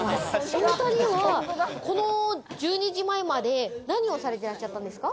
お２人はこの１２時前まで何をされてらっしゃったんですか？